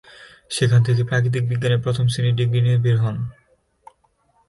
সেখান থেকে প্রাকৃতিক বিজ্ঞানে প্রথম শ্রেণীর ডিগ্রী নিয়ে বের হন।